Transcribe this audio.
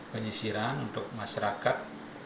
penyisiran untuk masyarakat